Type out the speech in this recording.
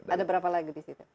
ada berapa lagi di situ